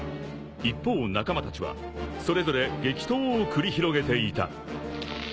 ［一方仲間たちはそれぞれ激闘を繰り広げていた］